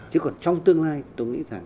chứ còn trong tương lai tôi nghĩ rằng